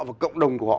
và cộng đồng của họ